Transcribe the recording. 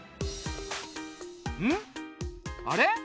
んっあれ？